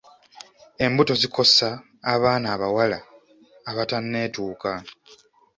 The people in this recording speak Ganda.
Embuto zikosa abaana abawala abatanneetuuka.